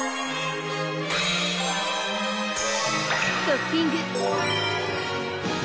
トッピング！